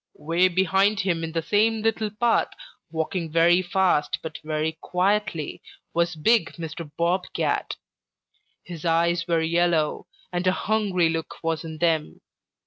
Way back behind him in the same little path, walking very fast but very quietly, was big Mr. Bob Cat. His eyes were yellow, and a hungry look was in them.